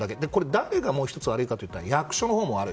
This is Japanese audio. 誰がもう１つ悪いかといったら役所も悪い。